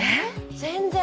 全然。